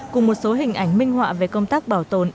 cùng một số hình ảnh minh họa về công tác bảo tồn